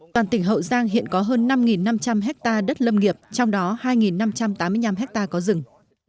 toàn tỉnh hậu giang hiện có hơn năm năm trăm linh hectare đất lâm nghiệp trong đó hai năm trăm tám mươi năm hectare có rừng